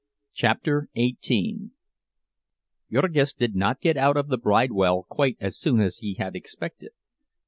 CHAPTER XVIII Jurgis did not get out of the Bridewell quite as soon as he had expected.